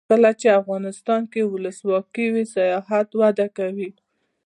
کله چې افغانستان کې ولسواکي وي سیاحت وده کوي.